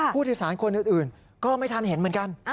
ผู้โดยสารคนอื่นก็ไม่ทันเห็นเหมือนกัน